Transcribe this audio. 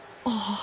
ああ。